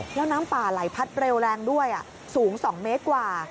แล้วน้ำป่าไหลพัดเร็วแรงด้วยสูง๒เมตรกว่า